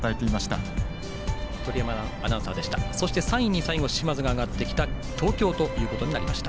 最後、３位に嶋津が上がった東京ということになりました。